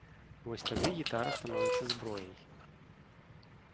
Вось тады гітара становіцца зброяй.